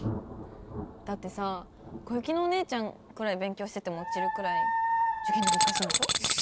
だってさ小雪のお姉ちゃんくらい勉強してても落ちるくらい受験って難しいんでしょ？